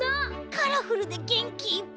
カラフルでげんきいっぱいだね。